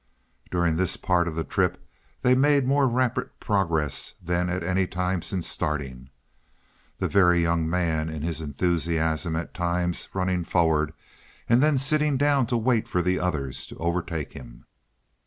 During this part of the trip they made more rapid progress than at any time since starting, the Very Young Man in his enthusiasm at times running forward and then sitting down to wait for the others to overtake him.